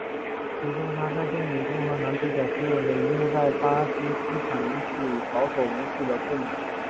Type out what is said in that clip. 其中她在电影中和男主角的接吻一幕在巴基斯坦引起保守人士的不满。